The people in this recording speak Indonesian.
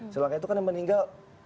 sri lanka itu kan yang meninggal